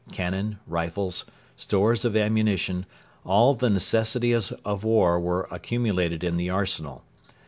Cannon, rifles, stores of ammunition, all the necessities of war were accumulated in the arsenal.